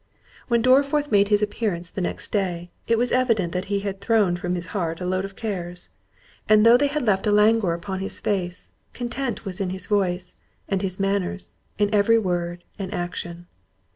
When Dorriforth made his appearance the next day, it was evident that he had thrown from his heart a load of cares; and though they had left a languor upon his face, content was in his voice, in his manners, in every word and action.